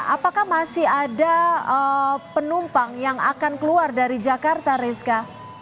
apakah masih ada penumpang yang akan keluar dari jakarta rizka